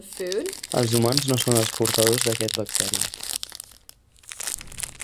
Els humans no són els portadors d'aquest bacteri.